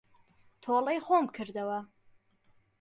تۆڵەی خۆم کردەوە.